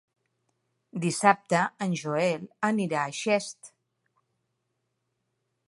Dissabte en Joel anirà a Xest.